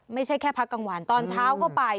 ไม่ใช่แค่พักกลางวันตอนเช้าก็ไป